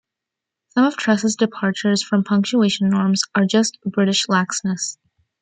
Some of Truss's departures from punctuation norms are just British laxness.